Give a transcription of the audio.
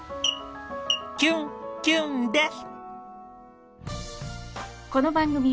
キュンキュンです！